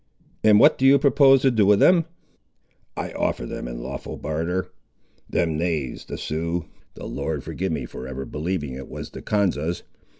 "And what do you propose to do with them?" "I offer them in lawful barter. Them knaves the Siouxes, the Lord forgive me for ever believing it was the Konzas!